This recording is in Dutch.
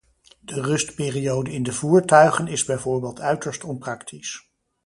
De rustperiode in de voertuigen is bijvoorbeeld uiterst onpraktisch.